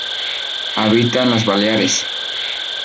Habita en las Baleares.